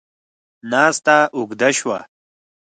ناسته اوږده شوه.